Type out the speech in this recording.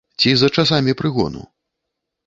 Ці за часамі прыгону?